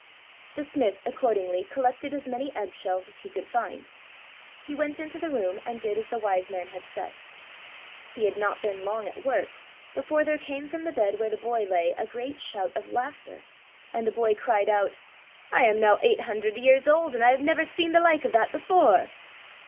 The smith, accordingly, collected as many egg shells as he could find. He went into the room, and did as the Wise man had said. He had not been long at work, before there came from the bed where the boy lay, a great shout of laughter, and the boy cried out: "I am now eight hundred years old, and I have never seen the like of that before!"